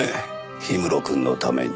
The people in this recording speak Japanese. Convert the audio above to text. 氷室くんのために。